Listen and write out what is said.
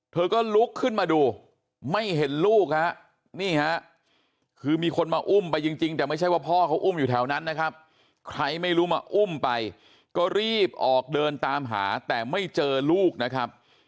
เธอก็ลุกขึ้นมาดูไม่เห็นลูกฮะนี่ฮะคือมีคนมาอุ้มไปจริงแต่ไม่ใช่ว่าพ่อเขาอุ้มอยู่แถวนั้นนะครับใครไม่รู้มาอุ้มไปก็รีบออกเดินตามหาแต่ไม่เจอลูกนะครับ